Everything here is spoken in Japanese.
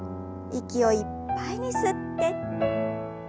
息をいっぱいに吸って。